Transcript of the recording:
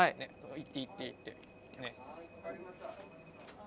行って行って行ってね。